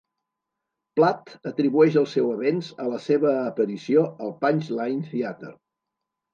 Platt atribueix el seu avenç a la seva aparició al Punch Line Theatre.